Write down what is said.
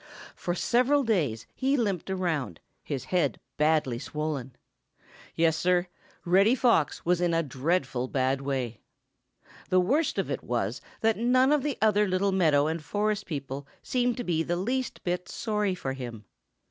For several days he limped around, his head badly swollen. Yes, Sir, Reddy Fox was in a dreadful bad way. The worst of it was that none of the other little meadow and forest people seemed to be the least bit sorry for him.